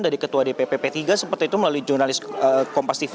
dari ketua dpp p tiga seperti itu melalui jurnalis kompastif